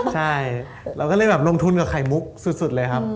ใช่เราก็เลยแบบลงทุนกับไข่มุกสุดเลยครับ